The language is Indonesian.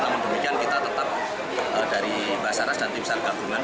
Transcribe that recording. namun demikian kita tetap dari basaras dan tim sargabungan